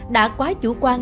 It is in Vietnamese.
đã quá chủ quan